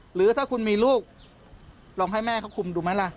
หรือถ้าคุณมีลูกลองให้แม่เขาคุมดูไหมล่ะ